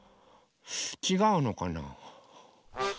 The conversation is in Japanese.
ちがうのかな。